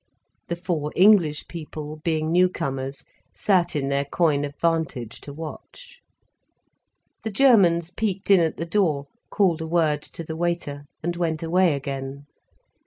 The four English people, being newcomers, sat in their coign of vantage to watch. The Germans peeped in at the door, called a word to the waiter, and went away again.